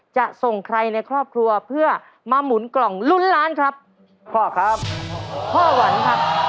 จะส่งใครในครอบครัวเพื่อมาหมุนกล่องลุ้นล้านครับพ่อครับพ่อหวันครับ